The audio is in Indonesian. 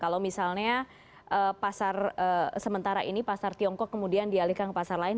kalau misalnya pasar sementara ini pasar tiongkok kemudian dialihkan ke pasar lain